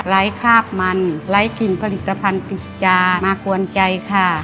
ไลก์คาบมันและไลก์กลิ่นผลิตภัณฑ์ติดจามากว้างใจค่ะ